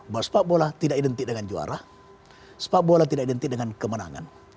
bahwa sepak bola tidak identik dengan juara sepak bola tidak identik dengan kemenangan